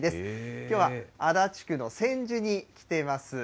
きょうは足立区の千住に来ています。